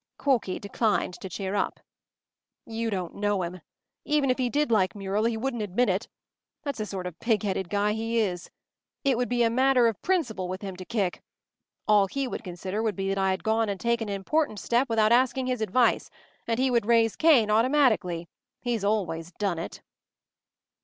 ” Corky declined to cheer up. “You don’t know him. Even if he did like Muriel he wouldn’t admit it. That’s the sort of pig headed guy he is. It would be a matter of principle with him to kick. All he would consider would be that I had gone and taken an important step without asking his advice, and he would raise Cain automatically. He’s always done it.